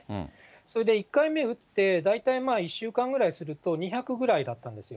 それで１回目打って、大体まあ１週間ぐらいすると２００ぐらいだったんですよ。